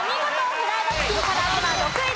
フライドチキンからあげは６位です。